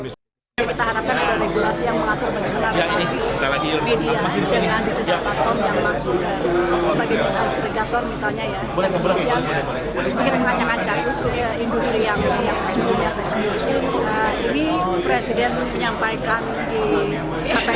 kita harapkan ada regulasi yang melakukan regulasi media dengan digital platform yang masuk sebagai